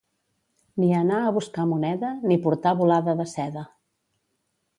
Ni anar a buscar moneda ni portar bolada de seda.